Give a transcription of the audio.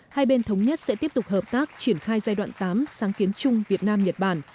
hai bên thống nhất sẽ tiếp tục hợp tác triển khai giai đoạn tám sáng kiến chung việt nam nhật bản